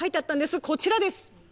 こちらです。